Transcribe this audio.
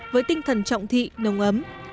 với tinh thần trọng thị nồng ấm